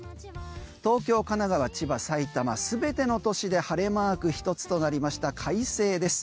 東京、神奈川、千葉、埼玉全ての都市で晴れマーク１つとなり快晴です。